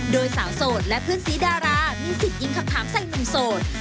โดยสาวโสดและเพื่อนสีดารามีสิทธิ์ยิงคำถามใส่หนุ่มโสด